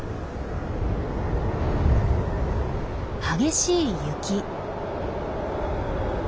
激しい雪。